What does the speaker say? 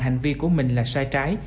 hành vi của mình là sai trái